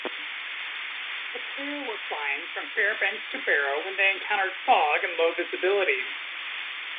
The pair were flying from Fairbanks to Barrow when they encountered fog and low-visibility.